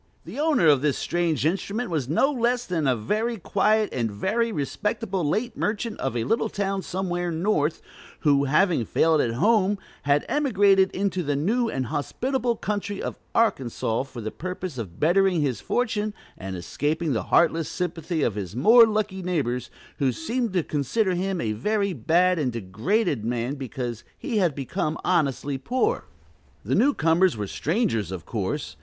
The owner of this strange instrument was no less than a very quiet and very respectable late merchant of a little town somewhere "north," who, having failed at home, had emigrated into the new and hospitable country of Arkansas, for the purpose of bettering his fortune and escaping the heartless sympathy of his more lucky neighbors, who seemed to consider him a very bad and degraded man because he had become honestly poor. The new comers were strangers, of course.